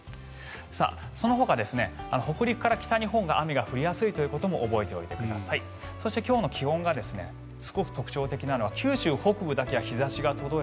そのほか、北陸から北日本が雨が降りやすいということも覚えておいてください。